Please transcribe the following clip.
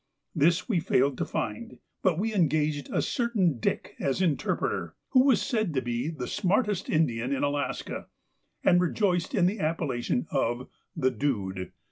This we failed to find, but we engaged a certain Dick as interpreter, who was said to be the smartest Indian in Alaska, and rejoiced in the appellation of the Dude.